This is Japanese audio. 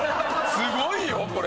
すごいよこれ。